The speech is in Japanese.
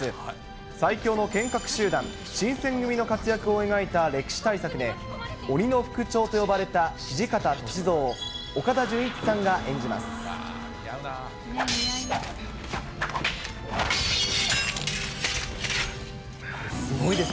最強の剣客集団、新選組の活躍を描いた歴史大作で、鬼の副長と呼ばれた土方歳三を、岡田准一さんが演じます。